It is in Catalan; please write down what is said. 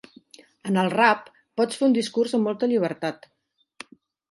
En el rap pots fer un discurs amb molta llibertat.